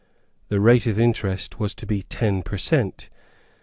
The rate of interest was to be ten per cent.